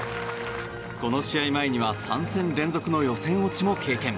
この試合前には３戦連続の予選落ちも経験。